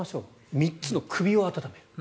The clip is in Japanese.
３つの首を温める。